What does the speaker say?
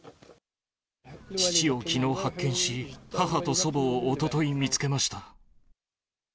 父をきのう発見し、母と祖母をおととい見つけました。